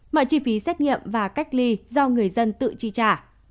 mọi chi phí xét nghiệm và cách ly do người dân tự chi trả